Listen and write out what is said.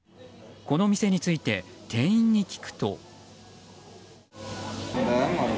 この店について店員に聞くと。